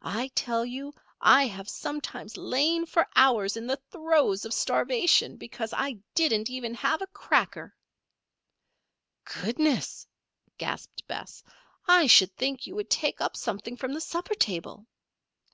"I tell you, I have sometimes lain for hours in the throes of starvation because I didn't have even a cracker." "Goodness!" gasped Bess. "I should think you would take up something from the supper table."